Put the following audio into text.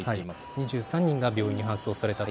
２３人が病院に搬送されたと。